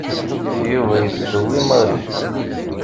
Yuba yesseww i Mary.